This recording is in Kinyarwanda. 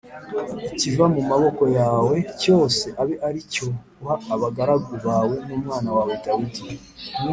ikiva mu maboko yawe cyose abe ari cyo uha abagaragu bawe n’umwana wawe Dawidi.